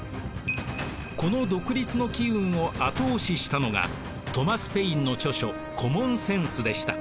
この独立の機運を後押ししたのがトマス・ペインの著書「コモン・センス」でした。